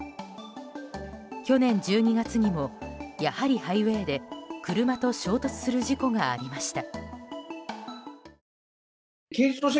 去年１２月にもやはりハイウェーで車と衝突する事故がありました。